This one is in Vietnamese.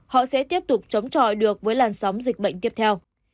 họ sẽ tiếp tục chống chọi được với làn sóng dịch bệnh tiếp theo